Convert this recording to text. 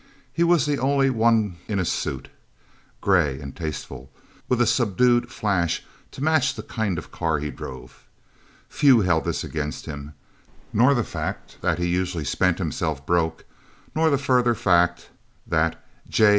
He was the only one in a suit, grey and tasteful, with a subdued flash to match the kind of car he drove. Few held this against him, nor the fact that he usually spent himself broke, nor the further fact that J.